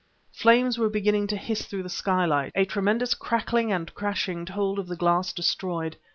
Flames were beginning to hiss through the skylight. A tremendous crackling and crashing told of the glass destroyed.